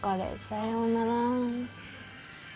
さようなら。